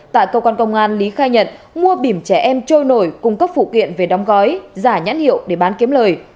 tại cơ quan công an lý khai nhận mua bìm trẻ em trôi nổi cung cấp phụ kiện về đóng gói giả nhãn hiệu để bán kiếm lời